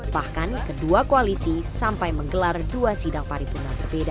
bahkan kedua koalisi sampai menggelar dua sidang paripurna berbeda